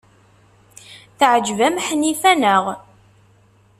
Teɛjeb-am Ḥnifa, naɣ?